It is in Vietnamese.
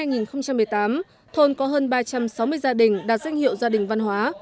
năm hai nghìn một mươi tám thôn có hơn ba trăm sáu mươi gia đình đạt danh hiệu gia đình văn hóa